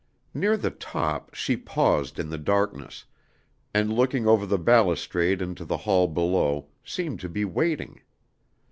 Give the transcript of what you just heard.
Near the top she paused in the darkness, and looking over the balustrade into the hall below, seemed to be waiting.